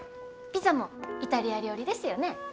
ピザもイタリア料理ですよね。